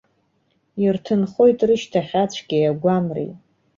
Ирҭынхоит рышьҭахь ацәгьеи агәамреи.